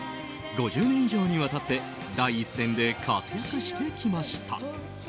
５０年以上にわたって第一線で活躍してきました。